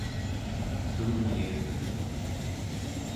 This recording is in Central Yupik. tungyirtuq